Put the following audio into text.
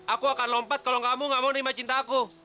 aku akan lompat kalau kamu nggak mau nerima cinta aku